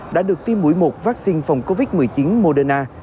đã được tiêm mũi một vaccine phòng covid một mươi chín moderna